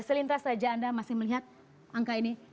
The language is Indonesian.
selintas saja anda masih melihat angka ini